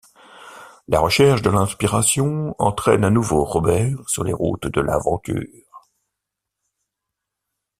La recherche de l'inspiration entraine à nouveau Robert sur les routes de l’aventure.